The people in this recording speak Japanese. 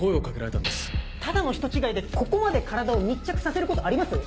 ただの人違いでここまで体を密着させることあります？